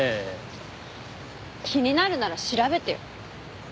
気になるなら調べてよ。